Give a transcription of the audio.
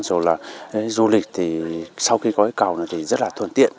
rồi là du lịch thì sau khi có cái cầu này thì rất là thuận tiện